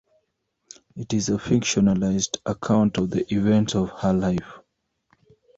It is a fictionalized account of the events of her life.